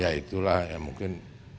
ya itulah ya mungkin